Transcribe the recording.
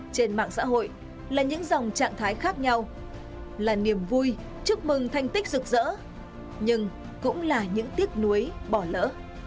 trên mạng xã hội là những dòng trạng thái khác nhau là niềm vui chúc mừng thanh tích rực rỡ nhưng cũng là những tiếc nuối bỏ lỡ